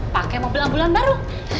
pakai mobil ambulan baru